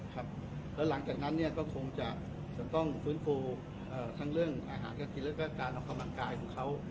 ครับแล้วหลังจากนั้นเนี่ยก็คงจะจะต้องฟื้นฟูเอ่อทั้งเรื่องอาหารการกินและการออกกำลังกายของเขา